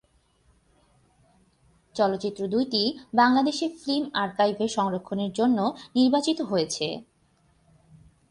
চলচ্চিত্র দুইটি বাংলাদেশ ফিল্ম আর্কাইভে সংরক্ষণের জন্য নির্বাচিত হয়েছে।